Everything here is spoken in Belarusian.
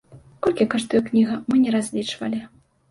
Колькі каштуе кніга, мы не разлічвалі.